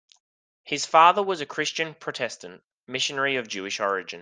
His father was a Christian Protestant missionary of Jewish origin.